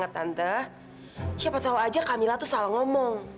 entah siapa tau aja kamila tuh salah ngomong